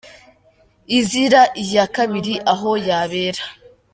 Izira iya kabiri aho yabera!